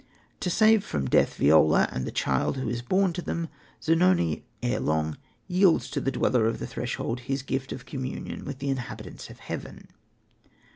To save from death Viola and the child who is born to them, Zanoni ere long yields to the Dweller of the Threshold his gift of communion with the inhabitants of heaven.